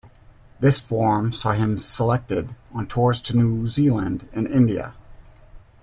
This form saw him selected on tours to New Zealand and India.